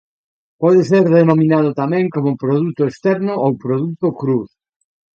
Pode ser denominado tamén como produto externo ou produto cruz.